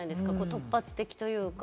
突発的というか。